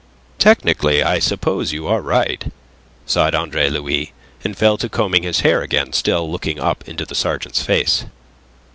"Technically, I suppose you are right," sighed Andre Louis, and fell to combing his hair again, still looking up into the sergeant's face.